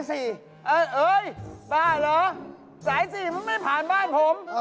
นะหรือสาย๔มันไม่ผ่านบ้านผม